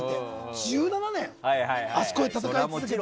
１７年あそこで戦い続けてて。